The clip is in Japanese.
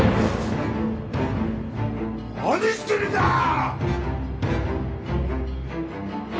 何してるんだー！！